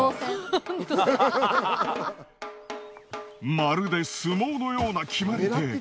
まるで相撲のような決まり手。